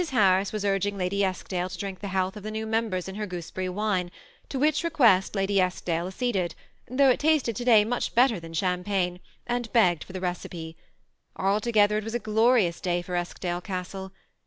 Harris was urging Lady Eskdale to drink the health of the new members in her gooseberry wine, to which request Lady Eskdale acceded, thought it tasted to day much better than champagne, and begged for the re ceipt. Altogether it was a glorious day for Eskdale Castle.